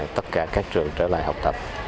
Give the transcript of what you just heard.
tất cả các trường trở lại học tập